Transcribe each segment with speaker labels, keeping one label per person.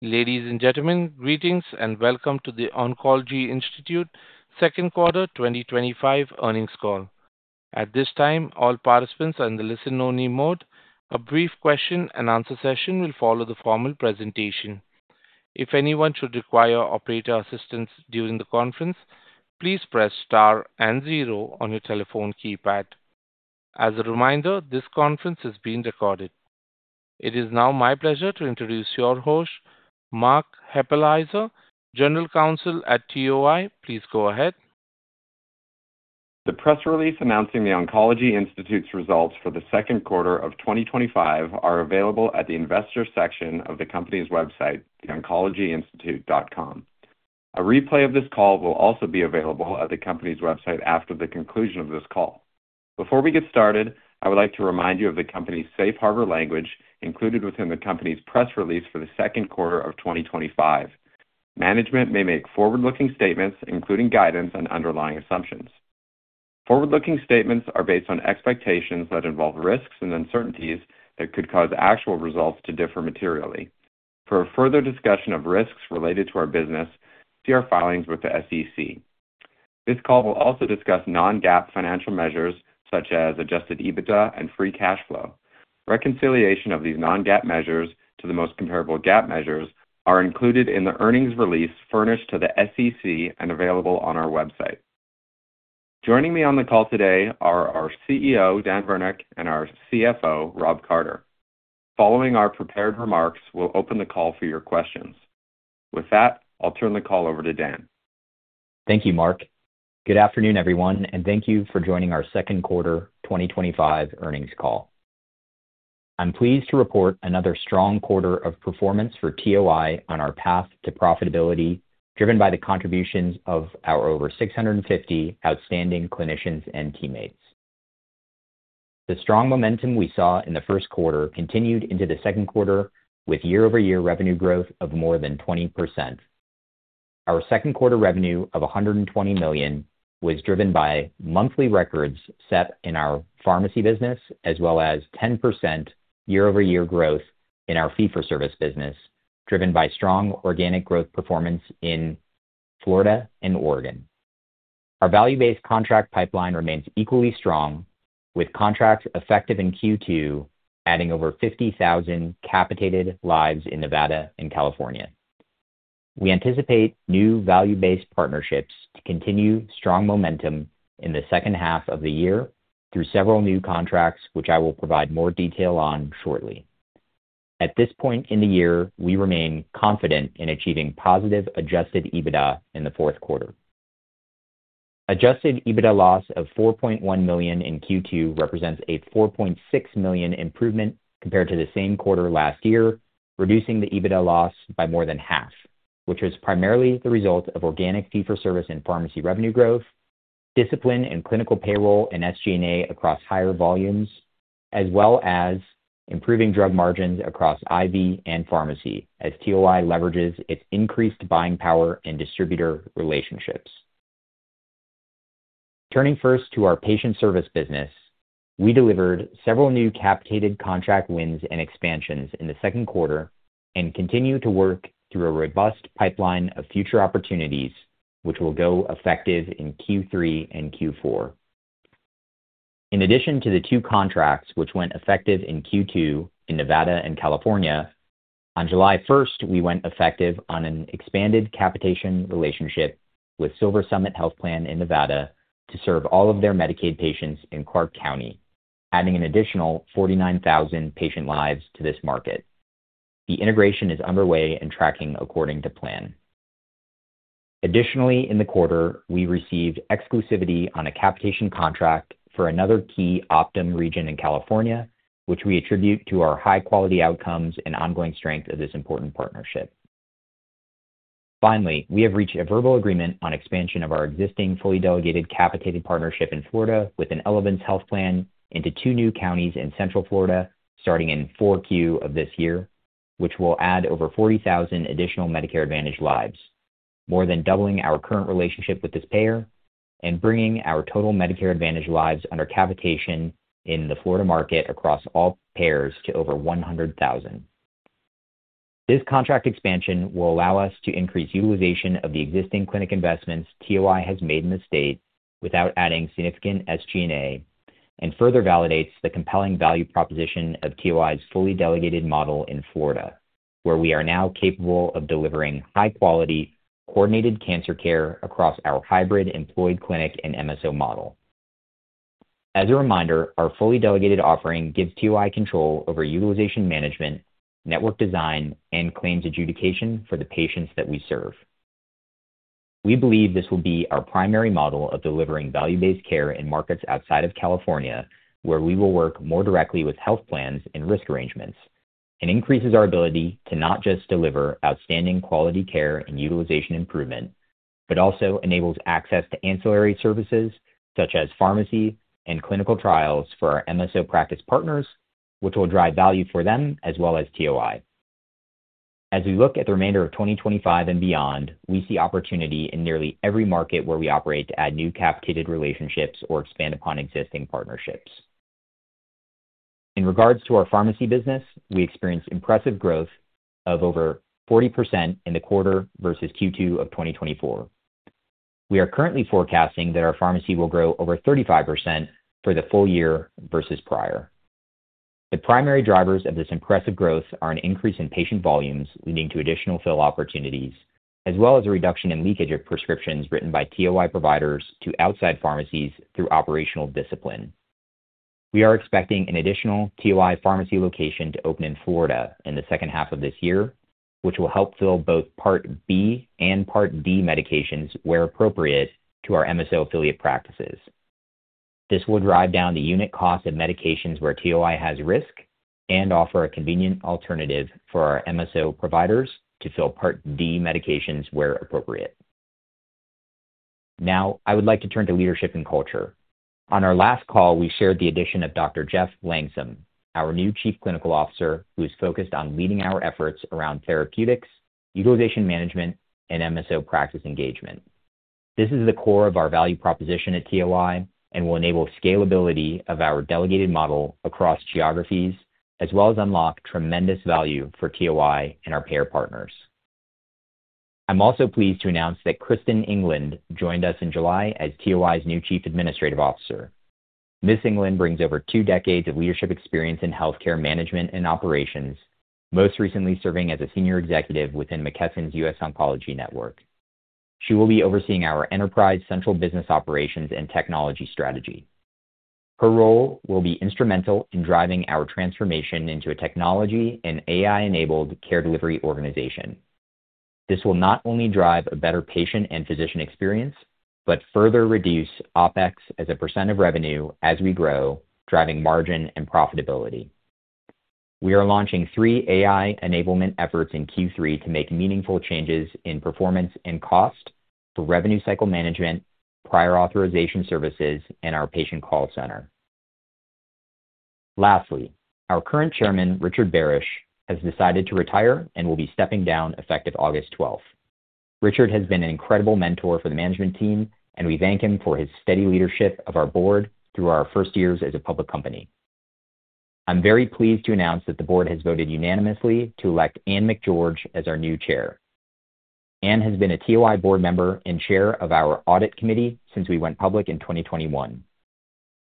Speaker 1: Ladies and gentlemen, greetings and welcome to The Oncology Institute's Second Quarter 2025 Earnings Call. At this time, all participants are in the listen-only mode. A brief question-and-answer session will follow the formal presentation. If anyone should require operator assistance during the conference, please press Star and zero on your telephone keypad. As a reminder, this conference is being recorded. It is now my pleasure to introduce your host, Mark Hueppelsheuser, General Counsel at TOI. Please go ahead. The press release announcing The Oncology Institute's results for the second quarter of 2025 is available at the Investor section of the company's website, theoncologyinstitute.com. A replay of this call will also be available at the company's website after the conclusion of this call. Before we get started, I would like to remind you of the company's safe harbor language included within the company's press release for the second quarter of 2025. Management may make forward-looking statements, including guidance on underlying assumptions. Forward-looking statements are based on expectations that involve risks and uncertainties that could cause actual results to differ materially. For a further discussion of risks related to our business, see our filings with the SEC. This call will also discuss non-GAAP financial measures such as adjusted EBITDA and free cash flow. Reconciliation of these non-GAAP measures to the most comparable GAAP measures is included in the earnings release furnished to the SEC and available on our website. Joining me on the call today are our CEO, Daniel Virnich, and our CFO, Rob Carter. Following our prepared remarks, we'll open the call for your questions. With that, I'll turn the call over to Dan.
Speaker 2: Thank you, Mark. Good afternoon, everyone, and thank you for joining our second quarter 2025 earnings call. I'm pleased to report another strong quarter of performance for TOI on our path to profitability, driven by the contributions of our over 650 outstanding clinicians and teammates. The strong momentum we saw in the first quarter continued into the second quarter, with year-over-year revenue growth of more than 20%. Our second quarter revenue of $120 million was driven by monthly records set in our pharmacy business, as well as 10% year-over-year growth in our fee-for-service business, driven by strong organic growth performance in Florida and Oregon. Our value-based contract pipeline remains equally strong, with contracts effective in Q2 adding over 50,000 capitated lives in Nevada and California. We anticipate new value-based partnerships to continue strong momentum in the second half of the year through several new contracts, which I will provide more detail on shortly. At this point in the year, we remain confident in achieving positive adjusted EBITDA in the fourth quarter. Adjusted EBITDA loss of $4.1 million in Q2 represents a $4.6 million improvement compared to the same quarter last year, reducing the EBITDA loss by more than half, which was primarily the result of organic fee-for-service and pharmacy revenue growth, discipline in clinical payroll and SG&A across higher volumes, as well as improving drug margins across IV and pharmacy, as TOI leverages its increased buying power and distributor relationships. Turning first to our patient service business, we delivered several new capitated contract wins and expansions in the second quarter and continue to work through a robust pipeline of future opportunities, which will go effective in Q3 and Q4. In addition to the two contracts which went effective in Q2 in Nevada and California, on July 1st, we went effective on an expanded capitation relationship with Silver Summit Health Plan in Nevada to serve all of their Medicaid patients in Clark County, adding an additional 49,000 patient lives to this market. The integration is underway and tracking according to plan. Additionally, in the quarter, we received exclusivity on a capitation contract for another key Optum region in California, which we attribute to our high-quality outcomes and ongoing strength of this important partnership. Finally, we have reached a verbal agreement on expansion of our existing fully delegated capitation partnership in Florida with Elevance Health into two new counties in Central Florida starting in Q4 of this year, which will add over 40,000 additional Medicare Advantage lives, more than doubling our current relationship with this payer and bringing our total Medicare Advantage lives under capitation in the Florida market across all payers to over 100,000. This contract expansion will allow us to increase utilization of the existing clinic investments The Oncology Institute has made in the state without adding significant SG&A and further validates the compelling value proposition of The Oncology Institute's fully delegated model in Florida, where we are now capable of delivering high-quality coordinated cancer care across our hybrid employed clinic and MSO model. As a reminder, our fully delegated offering gives TOI control over utilization management, network design, and claims adjudication for the patients that we serve. We believe this will be our primary model of delivering value-based care in markets outside of California, where we will work more directly with health plans and risk arrangements. It increases our ability to not just deliver outstanding quality care and utilization improvement, but also enables access to ancillary services such as pharmacy and clinical trials for our MSO practice partners, which will drive value for them as well as TOI. As we look at the remainder of 2025 and beyond, we see opportunity in nearly every market where we operate to add new capitated relationships or expand upon existing partnerships. In regards to our pharmacy business, we experienced impressive growth of over 40% in the quarter versus Q2 of 2024. We are currently forecasting that our pharmacy will grow over 35% for the full year versus prior. The primary drivers of this impressive growth are an increase in patient volumes leading to additional fill opportunities, as well as a reduction in leakage of prescriptions written by TOI providers to outside pharmacies through operational discipline. We are expecting an additional TOI pharmacy location to open in Florida in the second half of this year, which will help fill both Part B and Part D medications where appropriate to our MSO affiliate practices. This will drive down the unit cost of medications where TOI has risk and offer a convenient alternative for our MSO providers to fill Part D medications where appropriate. Now, I would like to turn to leadership and culture. On our last call, we shared the addition of Dr. Jeff Langsam, our new Chief Clinical Officer, who is focused on leading our efforts around therapeutics, utilization management, and MSO practice engagement. This is the core of our value proposition at TOI and will enable scalability of our delegated model across geographies, as well as unlock tremendous value for TOI and our payer partners. I'm also pleased to announce that Kristen England joined us in July as TOI's new Chief Administrative Officer. Ms. England brings over two decades of leadership experience in healthcare management and operations, most recently serving as a Senior Executive within McKesson's U.S. Oncology Network. She will be overseeing our enterprise central business operations and technology strategy. Her role will be instrumental in driving our transformation into a technology and AI-enabled care delivery organization. This will not only drive a better patient and physician experience, but further reduce OpEx as a percentage of revenue as we grow, driving margin and profitability. We are launching three AI enablement efforts in Q3 to make meaningful changes in performance and cost for revenue cycle management, prior authorization services, and our patient call center. Lastly, our current Chairman, Richard Barish, has decided to retire and will be stepping down effective August 12th. Richard has been an incredible mentor for the management team, and we thank him for his steady leadership of our board through our first years as a public company. I'm very pleased to announce that the board has voted unanimously to elect Anne McGeorge as our new Chair. Anne has been a TOI board member and Chair of our Audit Committee since we went public in 2021.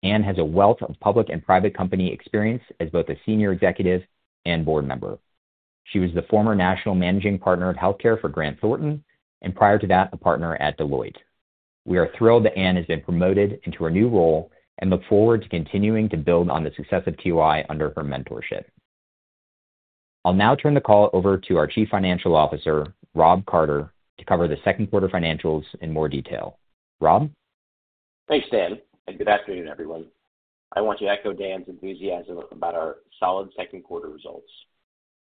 Speaker 2: Anne has a wealth of public and private company experience as both a Senior Executive and board member. She was the former National Managing Partner of Healthcare for Grant Thornton, and prior to that, a Partner at Deloitte. We are thrilled that Anne has been promoted into her new role and look forward to continuing to build on the success of TOI under her mentorship. I'll now turn the call over to our Chief Financial Officer, Rob Carter, to cover the second quarter financials in more detail. Rob?
Speaker 3: Thanks, Dan, and good afternoon, everyone. I want to echo Dan's enthusiasm about our solid second quarter results.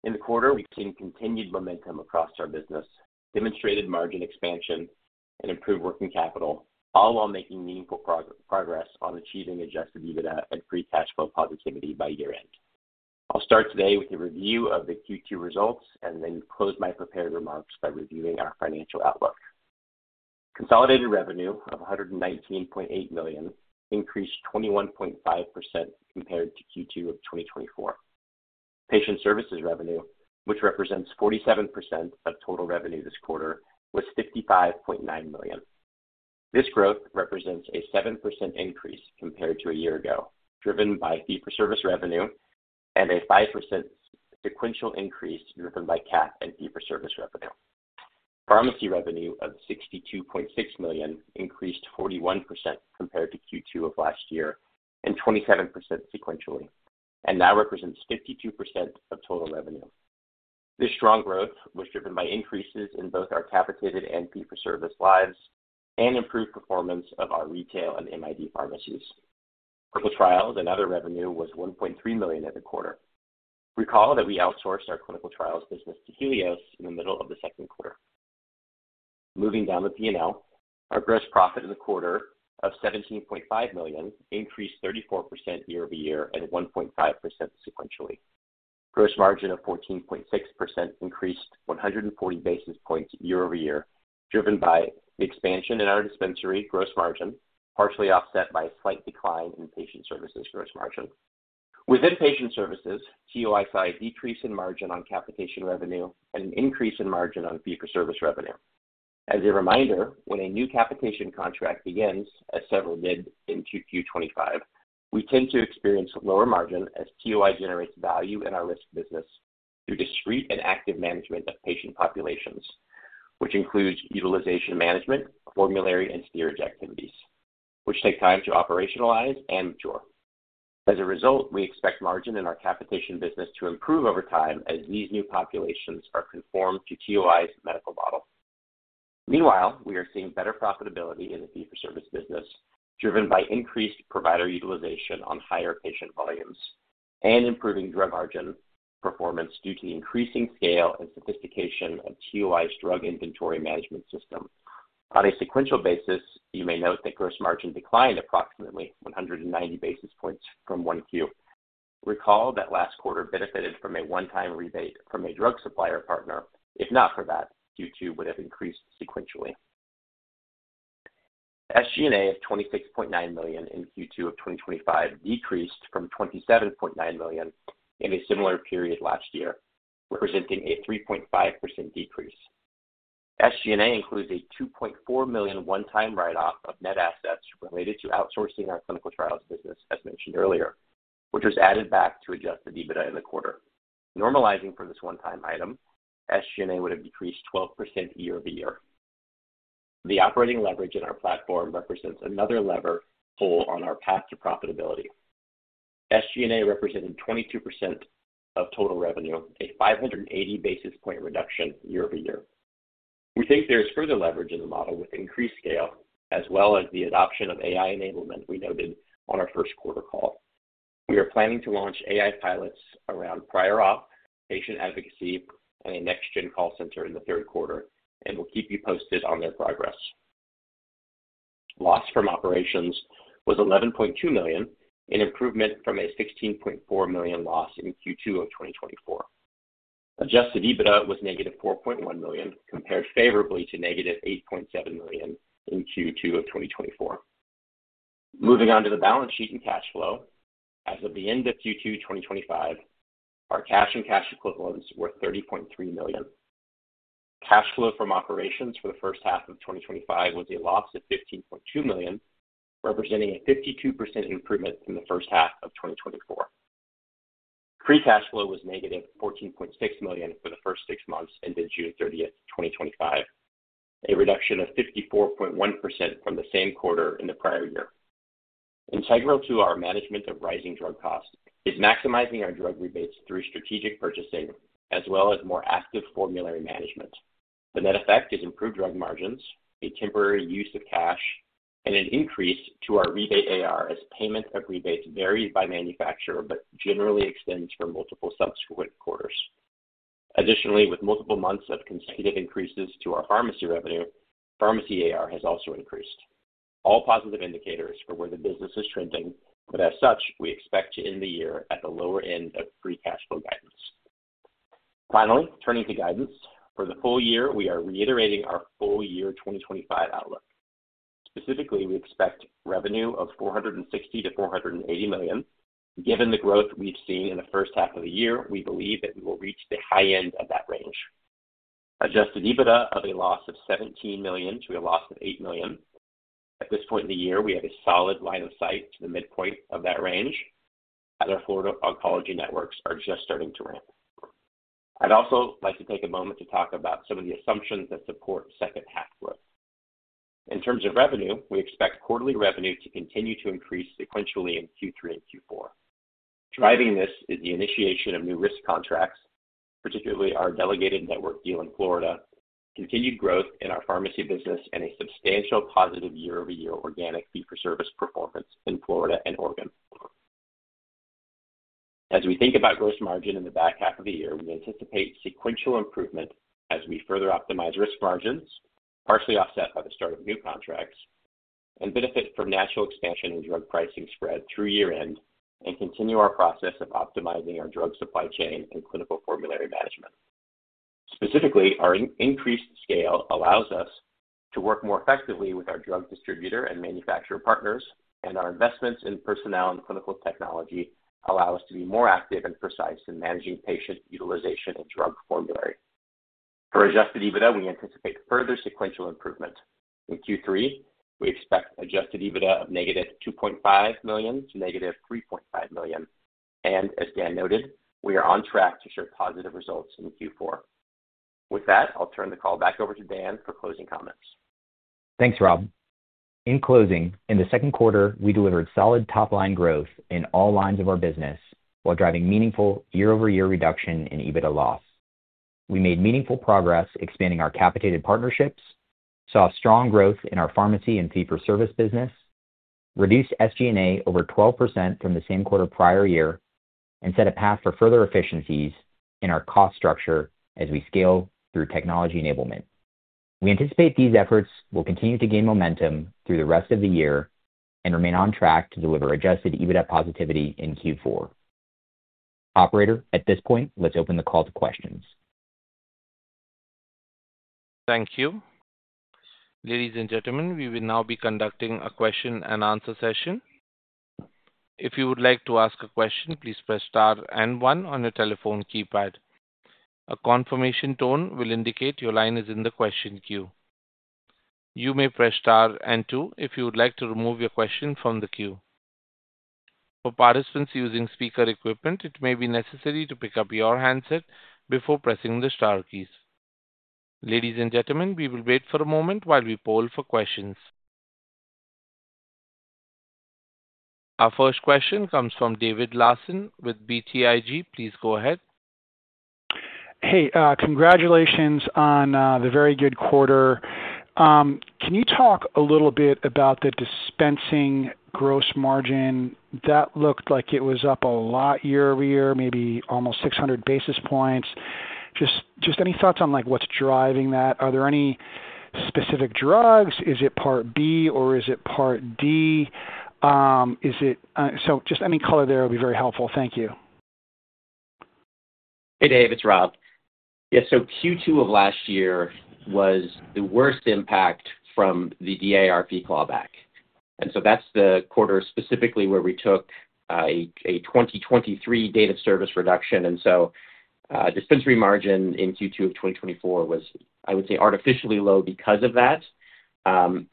Speaker 3: In the quarter, we've seen continued momentum across our business, demonstrated margin expansion, and improved working capital, all while making meaningful progress on achieving adjusted EBITDA and free cash flow positivity by year-end. I'll start today with a review of the Q2 results, and then close my prepared remarks by reviewing our financial outlook. Consolidated revenue of $119.8 million increased 21.5% compared to Q2 of 2024. Patient services revenue, which represents 47% of total revenue this quarter, was $55.9 million. This growth represents a 7% increase compared to a year ago, driven by fee-for-service revenue and a 5% sequential increase driven by capitation and fee-for-service revenue. Pharmacy revenue of $62.6 million increased 41% compared to Q2 of last year and 27% sequentially, and now represents 52% of total revenue. This strong growth was driven by increases in both our capitated and fee-for-service lives and improved performance of our retail and medically integrated dispensaries. Clinical trials and other revenue was $1.3 million at the quarter. Recall that we outsourced our clinical trials business to Helios in the middle of the second quarter. Moving down to P&L, our gross profit in the quarter of $17.5 million increased 34% year-over-year and 1.5% sequentially. Gross margin of 14.6% increased 140 basis points year-over-year, driven by the expansion in our dispensary gross margin, partially offset by a slight decline in patient services gross margin. Within patient services, TO saw a decrease in margin on capitation revenue and an increase in margin on fee-for-service revenue. As a reminder, when a new capitation contract begins, as several did in Q2 2025, we tend to experience lower margin as TOI generates value in our risk business through discrete and active management of patient populations, which includes utilization management, formulary, and steerage activities, which take time to operationalize and mature. As a result, we expect margin in our capitation business to improve over time as these new populations are conformed to TOI medical model. Meanwhile, we are seeing better profitability in the fee-for-service business, driven by increased provider utilization on higher patient volumes and improving drug margin performance due to the increasing scale and sophistication of TOI's drug inventory management system. On a sequential basis, you may note that gross margin declined approximately 190 basis points from 1Q. Recall that last quarter benefited from a one-time rebate from a drug supplier partner. If not for that, Q2 would have increased sequentially. SG&A of $26.9 million in Q2 of 2025 decreased from $27.9 million in a similar period last year, representing a 3.5% decrease. SG&A includes a $2.4 million one-time write-off of net assets related to outsourcing our clinical trials business, as mentioned earlier, which was added back to adjusted EBITDA in the quarter. Normalizing from this one-time item, SG&A would have decreased 12% year-over-year. The operating leverage in our platform represents another lever pull on our path to profitability. SG&A represented 22% of total revenue, a 580 basis point reduction year-over-year. We think there is further leverage in the model with increased scale, as well as the adoption of AI enablement we noted on our first quarter call. We are planning to launch AI pilots around prior auth, patient advocacy, and a next-gen call center in the third quarter, and we'll keep you posted on their progress. Loss from operations was $11.2 million, an improvement from a $16.4 million loss in Q2 of 2024. Adjusted EBITDA was -$4.1 million, compared favorably to -$8.7 million in Q2 of 2024. Moving on to the balance sheet and cash flow, as of the end of Q2 2025, our cash and cash equivalents were $30.3 million. Cash flow from operations for the first half of 2025 was a loss of $15.2 million, representing a 52% improvement in the first half of 2024. Free cash flow was -$14.6 million for the first six months ended June 30, 2025, a reduction of 54.1% from the same quarter in the prior year. Integral to our management of rising drug costs, we're maximizing our drug rebates through strategic purchasing, as well as more active formulary management. The net effect is improved drug margins, a temporary use of cash, and an increase to our rebate AR as payment of rebates varies by manufacturer, but generally extends for multiple subsequent quarters. Additionally, with multiple months of concerted increases to our pharmacy revenue, pharmacy AR has also increased. All positive indicators for where the business is trending, but as such, we expect to end the year at the lower end of free cash flow guidance. Finally, turning to guidance, for the full year, we are reiterating our full year 2025 outlook. Specifically, we expect revenue of $460 million-$480 million. Given the growth we've seen in the first half of the year, we believe that we will reach the high end of that range. Adjusted EBITDA of a loss of $17 million to a loss of $8 million. At this point in the year, we have a solid line of sight to the midpoint of that range, as our four oncology networks are just starting to ramp. I'd also like to take a moment to talk about some of the assumptions that support second half growth. In terms of revenue, we expect quarterly revenue to continue to increase sequentially in Q3 and Q4. Driving this is the initiation of new risk contracts, particularly our delegated network deal in Florida, continued growth in our pharmacy business, and a substantial positive year-over-year organic fee-for-service performance in Florida and Oregon. As we think about gross margin in the back half of the year, we anticipate sequential improvement as we further optimize risk margins, partially offset by the start of new contracts, and benefit from natural expansion in drug pricing spread through year-end and continue our process of optimizing our drug supply chain and clinical formulary management. Specifically, our increased scale allows us to work more effectively with our drug distributor and manufacturer partners, and our investments in personnel and clinical technology allow us to be more active and precise in managing patient utilization of drug formulary. For adjusted EBITDA, we anticipate further sequential improvement. In Q3, we expect adjusted EBITDA of -$2.5 million to -$3.5 million, and as Dan noted, we are on track to show positive results in Q4. With that, I'll turn the call back over to Dan for closing comments.
Speaker 2: Thanks, Rob. In closing, in the second quarter, we delivered solid top-line growth in all lines of our business while driving meaningful year-over-year reduction in EBITDA loss. We made meaningful progress expanding our capitated partnerships, saw strong growth in our pharmacy and fee-for-service business, reduced SG&A over 12% from the same quarter prior year, and set a path for further efficiencies in our cost structure as we scale through technology enablement. We anticipate these efforts will continue to gain momentum through the rest of the year and remain on track to deliver adjusted EBITDA positivity in Q4. Operator, at this point, let's open the call to questions.
Speaker 4: Thank you. Ladies and gentlemen, we will now be conducting a question-and-answer session. If you would like to ask a question, please press Star and one on your telephone keypad. A confirmation tone will indicate your line is in the question queue. You may press Star and two if you would like to remove your question from the queue. For participants using speaker equipment, it may be necessary to pick up your handset before pressing the star keys. Ladies and gentlemen, we will wait for a moment while we poll for questions. Our first question comes from David Michael Larsen with BTIG. Please go ahead.
Speaker 5: Hey, congratulations on the very good quarter. Can you talk a little bit about the dispensing gross margin? That looked like it was up a lot year over year, maybe almost 600 basis points. Just any thoughts on what's driving that? Are there any specific drugs? Is it Part B or is it Part D? Just any color there would be very helpful. Thank you.
Speaker 3: Hey, Dave, it's Rob. Q2 of last year was the worst impact from the DARP clawback. That's the quarter specifically where we took a 2023 date of service reduction. Dispensary margin in Q2 of 2024 was, I would say, artificially low because of that.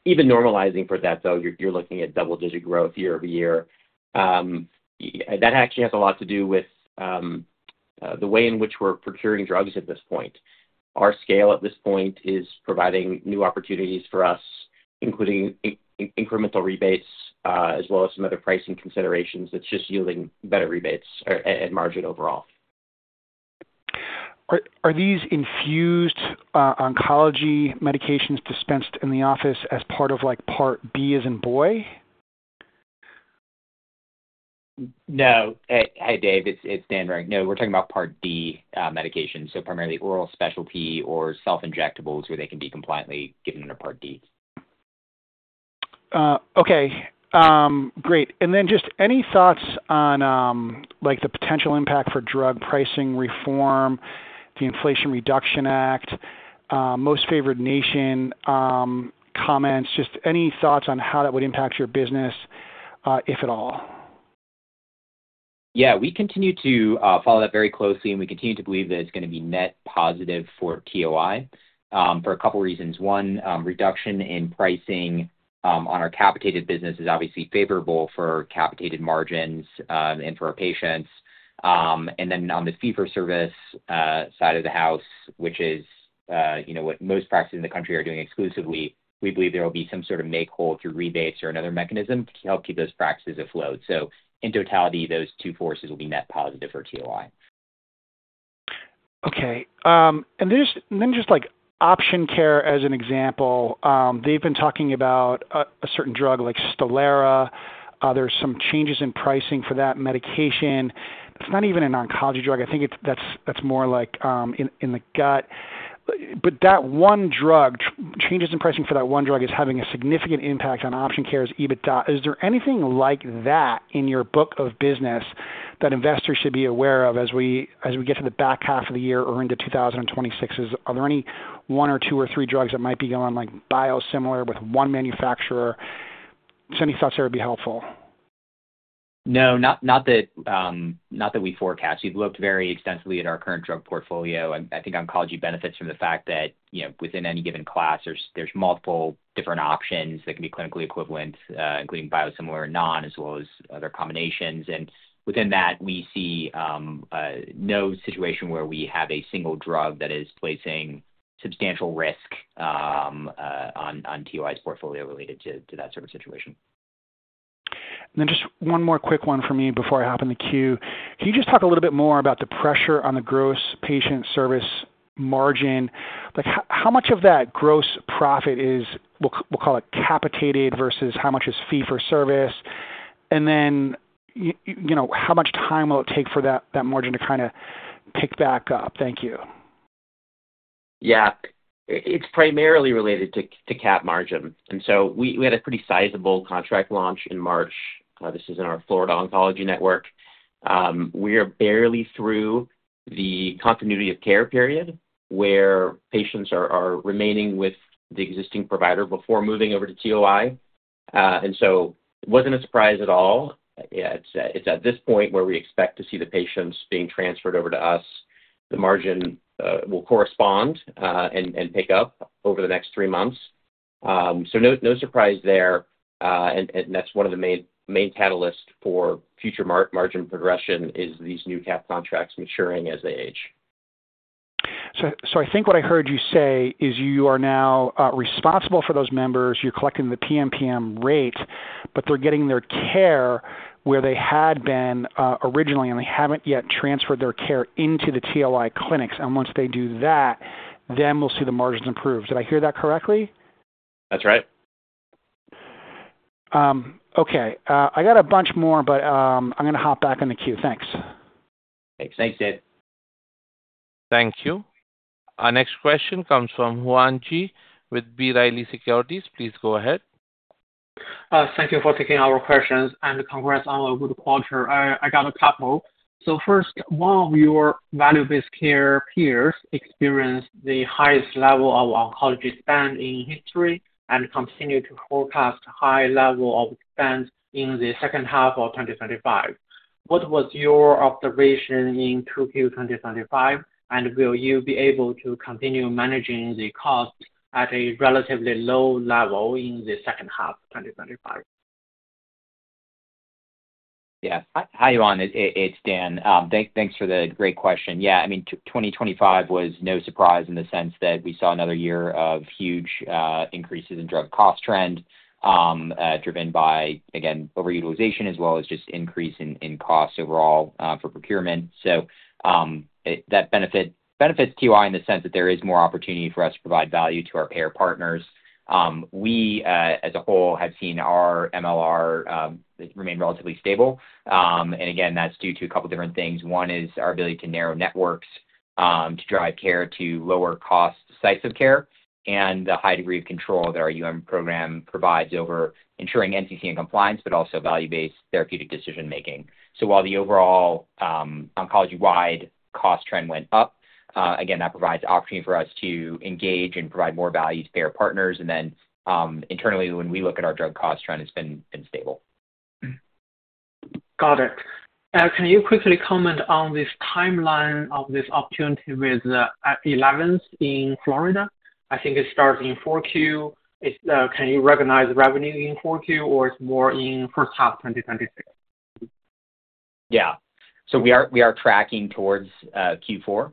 Speaker 3: Even normalizing for that, though, you're looking at double-digit growth year-over-year. That actually has a lot to do with the way in which we're procuring drugs at this point. Our scale at this point is providing new opportunities for us, including incremental rebates, as well as some other pricing considerations that's just yielding better rebates and margin overall.
Speaker 5: Are these infused oncology medications dispensed in the office as part of, like, Part B, as in boy?
Speaker 2: No. Hey, Dave, it's Dan Virnich. No, we're talking about Part D medications, so primarily oral specialty or self-injectables where they can be compliantly given in a Part D.
Speaker 5: Okay, great. Any thoughts on the potential impact for drug pricing reform, the Inflation Reduction Act, most favored nation comments, just any thoughts on how that would impact your business, if at all?
Speaker 2: We continue to follow that very closely, and we continue to believe that it's going to be net positive for TOI for a couple of reasons. One, reduction in pricing on our capitated business is obviously favorable for capitated margins and for our patients. On the fee-for-service side of the house, which is what most practices in the country are doing exclusively, we believe there will be some sort of make-hold through rebates or another mechanism to help keep those practices afloat. In totality, those two forces will be net positive for TOI.
Speaker 5: Okay. Just like OptionCare as an example, they've been talking about a certain drug like Stelara. There are some changes in pricing for that medication. It's not even an oncology drug. I think that's more like in the gut. That one drug, changes in pricing for that one drug, is having a significant impact on OptionCare's EBIT. Is there anything like that in your book of business that investors should be aware of as we get to the back half of the year or into 2026? Are there any one or two or three drugs that might be going on like biosimilar with one manufacturer? Any thoughts there would be helpful.
Speaker 2: No, not that we forecast. We've looked very extensively at our current drug portfolio. I think oncology benefits from the fact that within any given class, there's multiple different options that can be clinically equivalent, including biosimilar and non, as well as other combinations. Within that, we see no situation where we have a single drug that is placing substantial risk on TOI portfolio related to that sort of situation.
Speaker 5: Just one more quick one for me before I hop in the queue. Can you talk a little bit more about the pressure on the gross patient service margin? How much of that gross profit is, we'll call it, capitated versus how much is fee-for-service? How much time will it take for that margin to kind of pick back up? Thank you.
Speaker 3: Yeah, it's primarily related to CAC margin. We had a pretty sizable contract launch in March. This is in our Florida oncology network. We are barely through the continuity of care period where patients are remaining with the existing provider before moving over to TOI. It wasn't a surprise at all. It's at this point where we expect to see the patients being transferred over to us. The margin will correspond and pick up over the next three months. No surprise there. That's one of the main catalysts for future margin progression, these new CAC contracts maturing as they age.
Speaker 5: I think what I heard you say is you are now responsible for those members. You're collecting the TMPM rate, but they're getting their care where they had been originally, and they haven't yet transferred their care into The TOI clinics. Once they do that, we'll see the margins improve. Did I hear that correctly?
Speaker 3: That's right.
Speaker 5: Okay, I got a bunch more, but I'm going to hop back in the queue. Thanks.
Speaker 3: Thanks, Dave.
Speaker 4: Thank you. Our next question comes from Yuan Zhi with B. Riley Securities. Please go ahead.
Speaker 6: Thank you for taking our questions and congrats on a good quarter. I got a couple. First, one of your value-based care peers experienced the highest level of oncology spend in history and continued to forecast a high level of spend in the second half of 2025. What was your observation in Q2 2025, and will you be able to continue managing the cost at a relatively low level in the second half of 2025?
Speaker 2: Yeah. Hi, Yuan. It's Dan. Thanks for the great question. 2025 was no surprise in the sense that we saw another year of huge increases in drug cost trend, driven by, again, overutilization as well as just increase in cost overall for procurement. That benefits TOI in the sense that there is more opportunity for us to provide value to our payer partners. We, as a whole, have seen our MLR remain relatively stable. That's due to a couple of different things. One is our ability to narrow networks to drive care to lower cost sites of care and the high degree of control that our program provides over ensuring NCCN compliance, but also value-based therapeutic decision-making. While the overall oncology-wide cost trend went up, that provides opportunity for us to engage and provide more value to payer partners. Internally, when we look at our drug cost trend, it's been stable.
Speaker 6: Got it. Can you quickly comment on the timeline of this opportunity with Elevance Health in Florida? I think it starts in 4Q. Can you recognize revenue in 4Q, or is it more in the first half of 2026?
Speaker 2: We are tracking towards Q4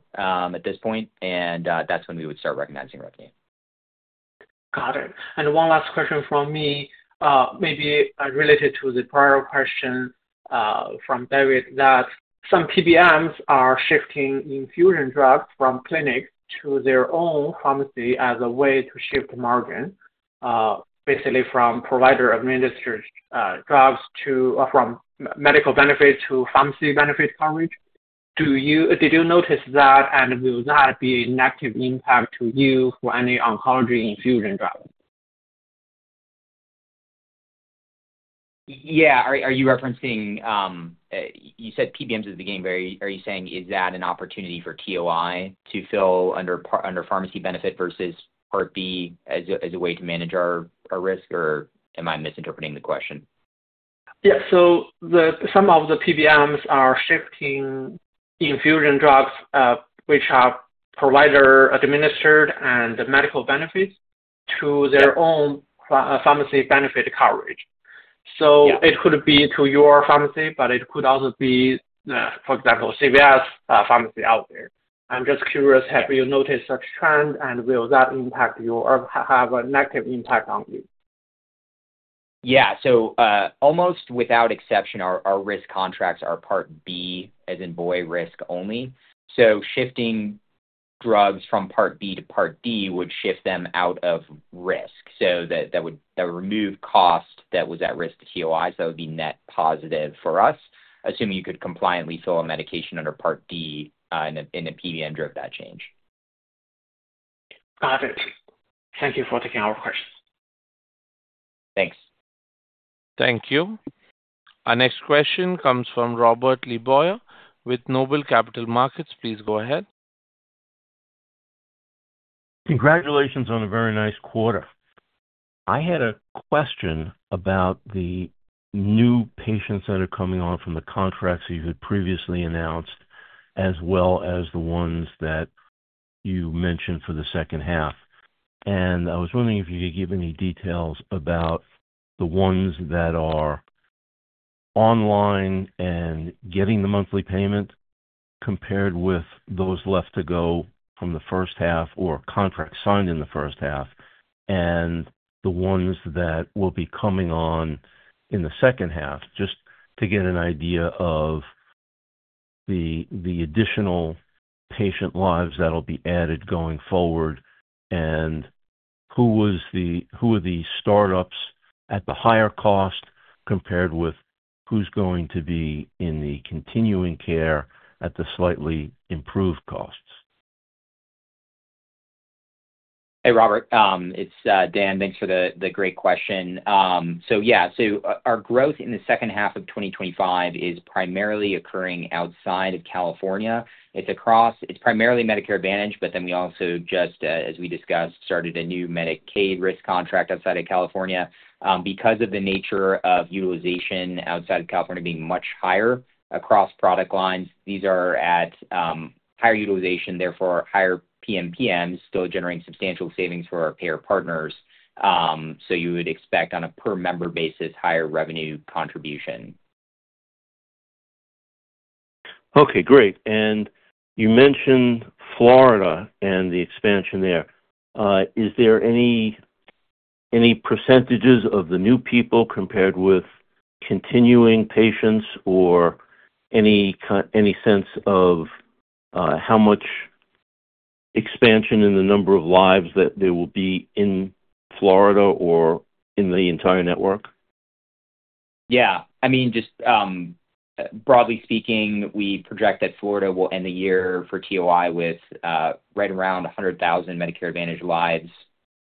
Speaker 2: at this point, and that's when we would start recognizing revenue.
Speaker 6: Got it. One last question from me, maybe related to the prior question from David, that some PBMs are shifting infusion drugs from clinics to their own pharmacy as a way to shift margin, basically from provider-administered drugs to from medical benefits to pharmacy benefit coverage. Did you notice that, and will that be a negative impact to you for any oncology infusion drug?
Speaker 2: Yeah, are you referencing you said PBMs is the game? Are you saying is that an opportunity for TOI to fill under pharmacy benefit versus Part B as a way to manage our risk, or am I misinterpreting the question?
Speaker 6: Some of the PBMs are shifting infusion drugs, which are provider-administered and medical benefits, to their own pharmacy benefit coverage. It could be to your pharmacy, but it could also be, for example, CVS pharmacy out there. I'm just curious, have you noticed such a trend, and will that have a negative impact on you?
Speaker 2: Almost without exception, our risk contracts are Part B, as in boy, risk only. Shifting drugs from Part B to Part D would shift them out of risk. That would remove cost that was at risk to The Oncology Institute, so that would be net positive for us, assuming you could compliantly fill a medication under Part D and the PBM drove that change.
Speaker 6: Got it. Thank you for taking our question.
Speaker 2: Thanks.
Speaker 4: Thank you. Our next question comes from Robert LeBoyer with Noble Capital Markets. Please go ahead.
Speaker 7: Congratulations on a very nice quarter. I had a question about the new patients that are coming on from the contracts you had previously announced, as well as the ones that you mentioned for the second half. I was wondering if you could give any details about the ones that are online and getting the monthly payment compared with those left to go from the first half or contracts signed in the first half and the ones that will be coming on in the second half, just to get an idea of the additional patient lives that will be added going forward and who are the startups at the higher cost compared with who's going to be in the continuing care at the slightly improved costs?
Speaker 2: Hey, Robert. It's Dan. Thanks for the great question. Our growth in the second half of 2025 is primarily occurring outside of California. It's primarily Medicare Advantage, but we also just, as we discussed, started a new Medicaid risk contract outside of California. Because of the nature of utilization outside of California being much higher across product lines, these are at higher utilization, therefore higher PMPMs, still generating substantial savings for our payer partners. You would expect on a per-member basis higher revenue contribution.
Speaker 7: Okay, great. You mentioned Florida and the expansion there. Is there any percentages of the new people compared with continuing patients, or any sense of how much expansion in the number of lives that there will be in Florida or in the entire network?
Speaker 2: Yeah, I mean, just broadly speaking, we project that Florida will end the year for TOI with right around 100,000 Medicare Advantage lives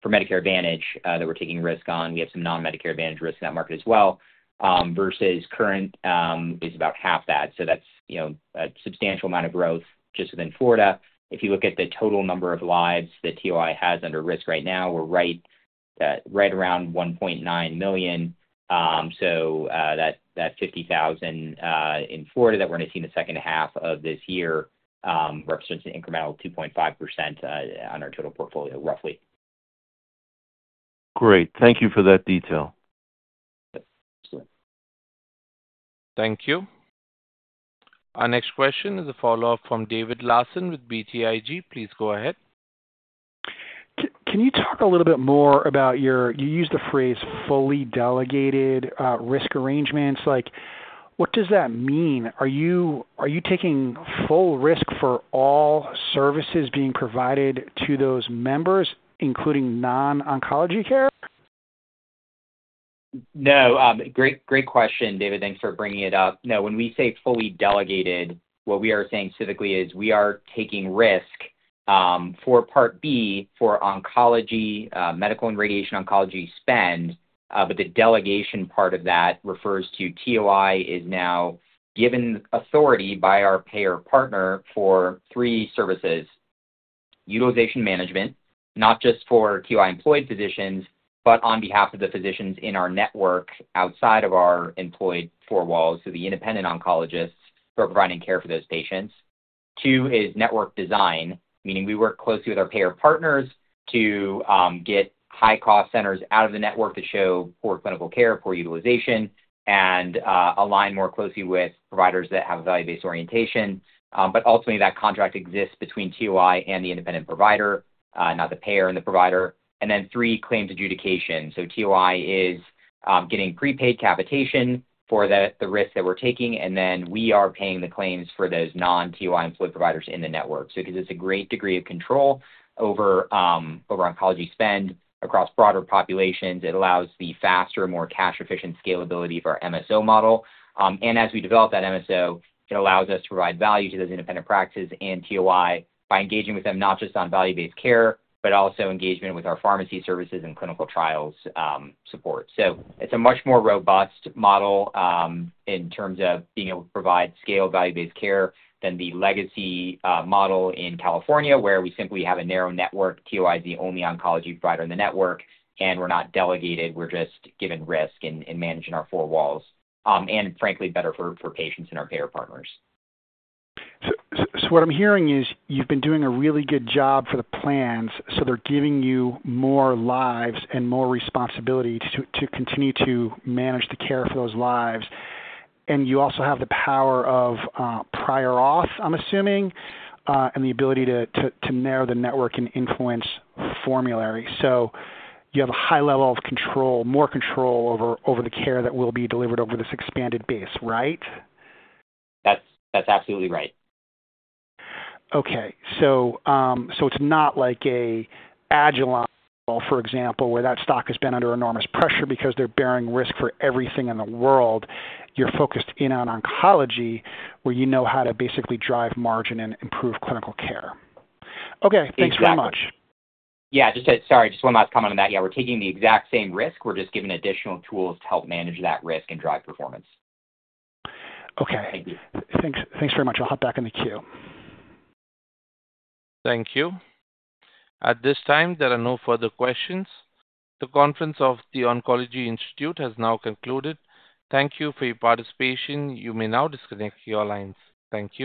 Speaker 2: for Medicare Advantage that we're taking risk on. We have some non-Medicare Advantage risk in that market as well. Versus current, it's about half that. That's a substantial amount of growth just within Florida. If you look at the total number of lives that TOI has under risk right now, we're right around 1.9 million. That 50,000 in Florida that we're going to see in the second half of this year represents an incremental 2.5% on our total portfolio, roughly.
Speaker 7: Great. Thank you for that detail.
Speaker 4: Thank you. Our next question is a follow-up from David Larsen with BTIG. Please go ahead.
Speaker 5: Can you talk a little bit more about your, you used the phrase fully delegated risk arrangements. What does that mean? Are you taking full risk for all services being provided to those members, including non-oncology care?
Speaker 2: Great question, David. Thanks for bringing it up. When we say fully delegated, what we are saying specifically is we are taking risk for Part B for oncology, medical and radiation oncology spend, but the delegation part of that refers to TOI is now given authority by our payer partner for three services. Utilization management, not just for TOI employed physicians, but on behalf of the physicians in our network outside of our employed four walls, so the independent oncologists who are providing care for those patients. Two is network design, meaning we work closely with our payer partners to get high-cost centers out of the network that show poor clinical care, poor utilization, and align more closely with providers that have a value-based orientation. Ultimately, that contract exists between TOI and the independent provider, not the payer and the provider. Three, claims adjudication. TOI is getting prepaid capitation for the risk that we're taking, and then we are paying the claims for those non-TOI employed providers in the network. Because it's a great degree of control over oncology spend across broader populations, it allows the faster, more cash-efficient scalability of our MSO model. As we develop that MSO, it allows us to provide value to those independent practices and TOI by engaging with them not just on value-based care, but also engagement with our pharmacy services and clinical trials support. It's a much more robust model in terms of being able to provide scaled value-based care than the legacy model in California, where we simply have a narrow network, TOI is the only oncology provider in the network, and we're not delegated. We're just given risk and managing our four walls. It's frankly better for patients and our payer partners.
Speaker 5: What I'm hearing is you've been doing a really good job for the plans. They're giving you more lives and more responsibility to continue to manage the care for those lives. You also have the power of prior auth, I'm assuming, and the ability to narrow the network and influence formulary. You have a high level of control, more control over the care that will be delivered over this expanded base, right?
Speaker 2: That's absolutely right.
Speaker 5: Okay. It's not like an agilon, for example, where that stock has been under enormous pressure because they're bearing risk for everything in the world. You're focused in on oncology where you know how to basically drive margin and improve clinical care. Okay, thanks very much.
Speaker 2: Just one last comment on that. We're taking the exact same risk. We're just given additional tools to help manage that risk and drive performance.
Speaker 5: Okay, thanks very much. I'll hop back in the queue.
Speaker 4: Thank you. At this time, there are no further questions. The conference of The Oncology Institute has now concluded. Thank you for your participation. You may now disconnect your lines. Thank you.